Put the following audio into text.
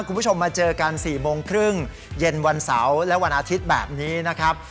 คุณผู้ชมมาเจอกัน๔โมงครึ่งเย็นวันเสาร์และวันอาทิตย์แบบนี้นะครับ